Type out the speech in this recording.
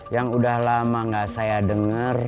yang udah lama gak saya dengar